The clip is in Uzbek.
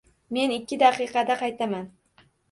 Men ikki daqiqada qaytaman.